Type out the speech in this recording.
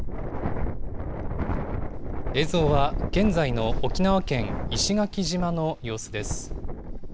映像は、現在の沖縄県石垣島の様子です。